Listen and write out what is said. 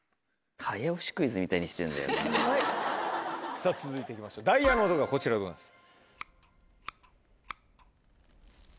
さぁ続いていきましょうダイヤの音がこちらでございます。